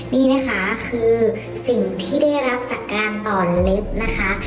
นี่นะคะคือสิ่งที่ได้รับจากการอ่อนเล็บนะคะ